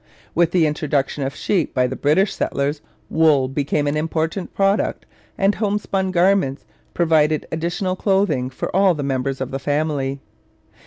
With the introduction of sheep by the British settlers wool became an important product, and homespun garments provided additional clothing for all the members of the family.